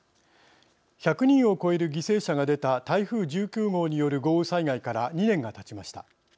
１００人を超える犠牲者が出た台風１９号による豪雨災害から２年がたちました。